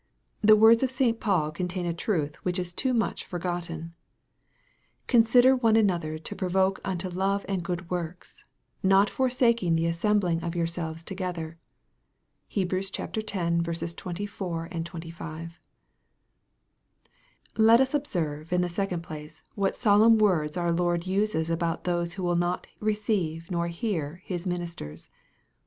The words of St. Paul contain a truth which is too much forgotten :" Consider one another to provoke unto love and good works ; not forsaking the assembling of yourselves together." (Heb. x. 24, 25.) Let us observe, in the second place, what solemn words our Lord uses about those who will not receive nor hear His ministers.